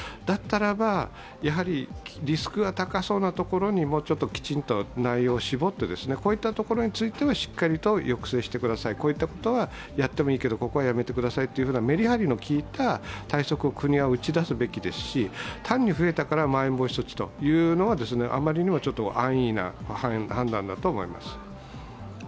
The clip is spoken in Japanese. だったらば、やはりリスクが高そうなところにもうちょっと内容を絞ってこういったところについてはしっかりと抑制してください、こういったことはやってもいいけどここはやめてくださいというめり張りの効いた対策を国は打ち出すべきですし、単に増えたからまん延防止措置というのは、あまりにも安易な判断だと思います。